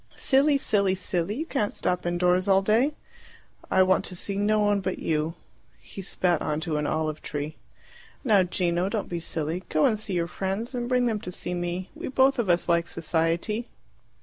"Silly, silly, silly! You can't stop indoors all day!" "I want to see no one but you." He spat on to an olive tree. "Now, Gino, don't be silly. Go and see your friends, and bring them to see me. We both of us like society."